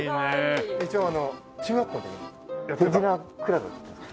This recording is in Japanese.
一応あの中学校の時に手品クラブだったんです。